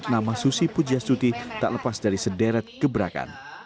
nama susi pujastuti tak lepas dari sederet gebrakan